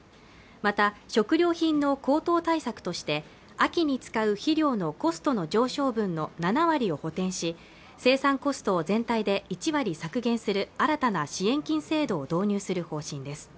また食料品の高騰対策として秋に使う肥料のコストの上昇分の７割を補てんし生産コストを全体で１割削減する新たな支援金制度を導入する方針です